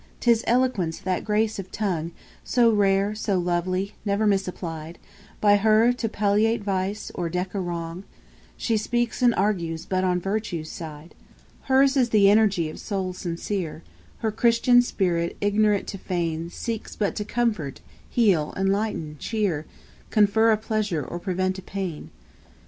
'Tis eloquence, that grace of tongue, So rare, so lovely, never misapplied By her, to palliate vice, or deck a wrong: She speaks and argues but on virtue's side. 8. Hers is the energy of soul sincere; Her Christian spirit, ignorant to feign, Seeks but to comfort, heal, enlighten, cheer, Confer a pleasure or prevent a pain.